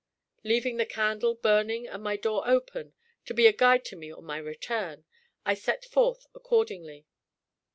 Leaving the candle burning and my door open, to be a guide to me on my return, I set forth accordingly.